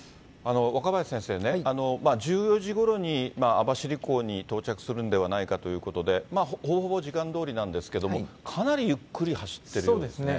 若林先生ね、１４時ごろに網走港に到着するんではないかということで、ほぼほぼ時間どおりなんですけれども、かなりゆっくり走っているようですね。